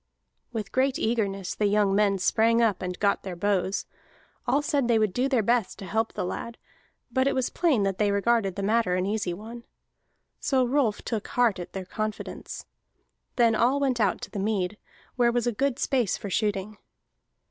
With great eagerness the young men sprang up and got their bows. All said they would do their best to help the lad, but it was plain that they regarded the matter an easy one. So Rolf took heart at their confidence. Then all went out to the mead, where was good space for shooting.